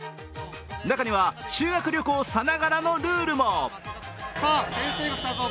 中には、修学旅行さながらのルールも。